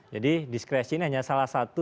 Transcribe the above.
jadi diskresi ini hanya salah satu